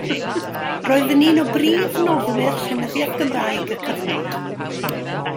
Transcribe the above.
Roedd yn un o brif noddwyr llenyddiaeth Gymraeg y cyfnod.